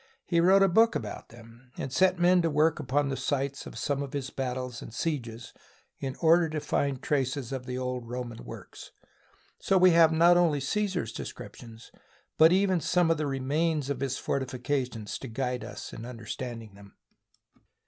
He wrote a book about them, and set men to work upon the sites of some of his battles and sieges in order to find traces of the old Roman works. So we have not only Caesar's descriptions, but even some of the remains of his fortifications to guide us in understanding them.